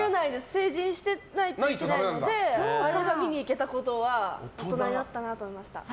成人してないとダメなのであれが見に行けたことは大人になったなと思いました。